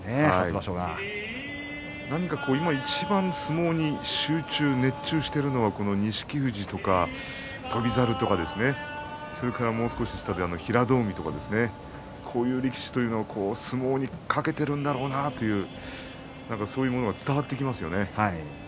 １場所ごとに集中しているのは錦富士とか翔猿とかもう少し下で平戸海とかこういう力士は相撲にかけているんだろうなというものが伝わってきますね。